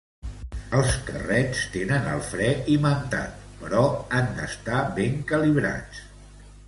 Els carrets tenen el fre imantat, però han d'estar ben calibrats.